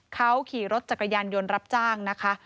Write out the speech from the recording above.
เขาขี่รถจักรยานยนต์รับจ้างนะคะ